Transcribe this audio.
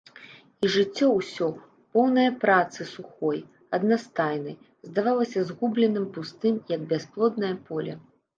І жыццё ўсё, поўнае працы сухой, аднастайнай, здавалася згубленым, пустым, як бясплоднае поле.